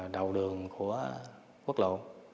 đầu đường của quốc lộ